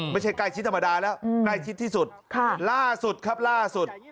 ไม่ใช่ใกล้ชิดธรรมดาแล้วใกล้ชิดที่สุดล่าสุดครับล่าสุด